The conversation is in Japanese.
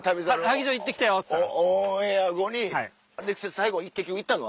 「最後結局行ったの？